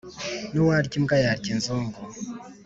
Nuwaraya imbwa yarya inzungu.